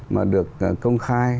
mà được công khai